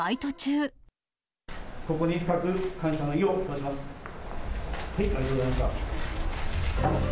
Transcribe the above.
ここに深く感謝の意を表します。